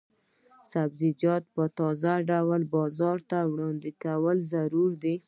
سبزیجات په تازه ډول بازار ته وړاندې کول ضروري دي.